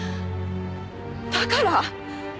だから。